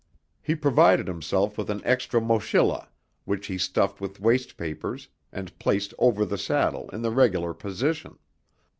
He provided himself with an extra mochila which he stuffed with waste papers and placed over the saddle in the regular position.